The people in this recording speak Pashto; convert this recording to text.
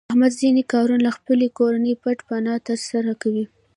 احمد ځنې کارونه له خپلې کورنۍ پټ پناه تر سره کوي.